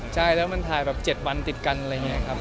ใช่แล้วมันถ่ายแบบ๗วันติดกันอะไรอย่างนี้ครับ